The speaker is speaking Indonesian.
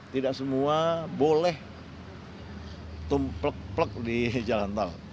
tidak semua boleh tumplek plek di jalan tol